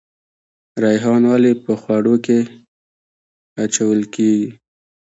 ریحان ولې په خوړو کې اچول کیږي؟